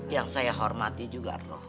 yang saya hormati juga